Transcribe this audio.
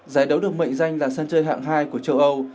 giải đấu được mệnh danh là sân chơi hạng hai của châu âu